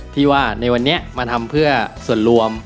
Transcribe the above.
ที่ว่าในวันนี้มาทำเพื่อส่วนรวม